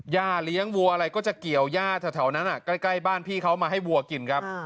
ย่าเลี้ยงวัวอะไรก็จะเกี่ยวย่าแถวนั้นใกล้บ้านพี่เขามาให้วัวกินครับ